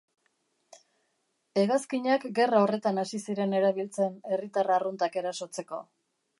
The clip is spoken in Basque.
Hegazkinak gerra horretan hasi ziren erabiltzen herritar arruntak erasotzeko.